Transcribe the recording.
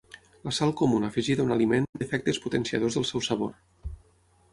La sal comuna afegida a un aliment té efectes potenciadors del seu sabor.